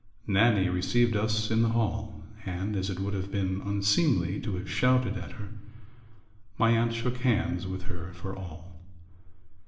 Nannie received us in the hall; and, as it would have been unseemly to have shouted at her, my aunt shook hands with her for all.